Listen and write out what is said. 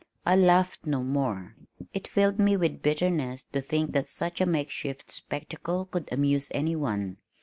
I laughed no more. It filled me with bitterness to think that such a makeshift spectacle could amuse anyone.